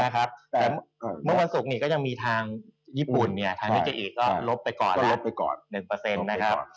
แต่เมื่อวันสุขก็ยังมีทางญี่ปุ่นเนี่ยก็ลบไปก่อนหนึ่งเปอร์เซ็นต์นะครับ